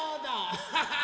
アッハハ！